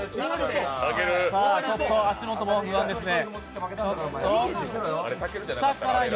ちょっと足元も不安ですね。